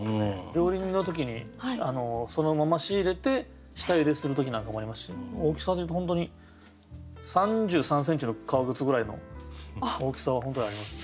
料理人の時にそのまま仕入れて下ゆでする時なんかもありますし大きさでいうと本当に３３センチの革靴ぐらいの大きさは本当にあります。